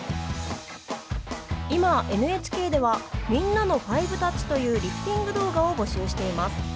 今、ＮＨＫではみんなの５タッチというリフティング動画を募集しています。